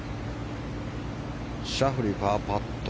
シャフリー、パーパット。